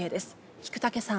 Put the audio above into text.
菊竹さん。